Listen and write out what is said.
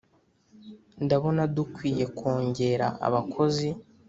ndabona dukwiye kongera abakozi